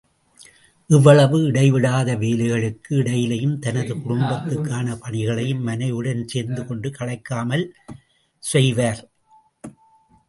இவ்வளவு இடைவிடாத வேலைகளுக்கு இடையிலேயும் தனது குடும்பத்துக்கான பணிகளையும் மனைவியுடன் சேர்ந்து கொண்டு களைக்காமல் செய்வார்!